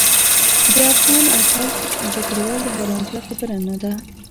د افغان او خلج ذکرول د حیرانتیا خبره نه ده.